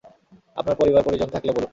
আপনার পরিবার-পরিজন থাকলে বলুন।